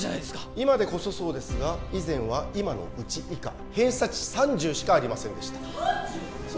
今でこそそうですが以前は今のうち以下偏差値３０しかありませんでした３０？